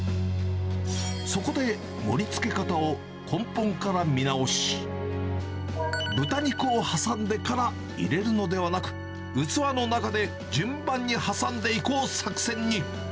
そこで、盛りつけ方を根本から見直し、豚肉を挟んでから入れるのではなく、器の中で順番に挟んでいこう作戦に。